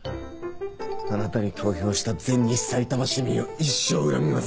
あなたに投票した全西さいたま市民を一生恨みます。